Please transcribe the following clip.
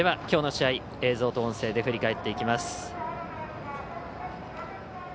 きょうの試合、映像と音声で振り返っていきます。